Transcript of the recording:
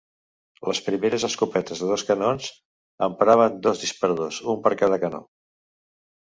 Les primeres escopetes de dos canons empraven dos disparadors, un per a cada canó.